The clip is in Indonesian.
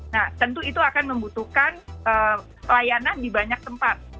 nah tentu itu akan membutuhkan layanan di banyak tempat